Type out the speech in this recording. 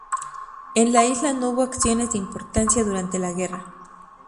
En la isla no hubo acciones de importancia durante la guerra.